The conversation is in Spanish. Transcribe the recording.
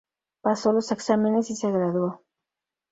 Pasó los exámenes y se graduó.